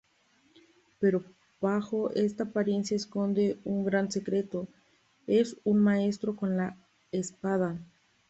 Pero bajo esta apariencia esconde un gran secreto, es un maestro con la espada.